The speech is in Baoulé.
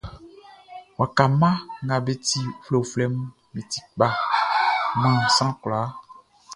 Uwka mma nga be ti uflɛuflɛʼn, be ti kpa man sran kwlaa.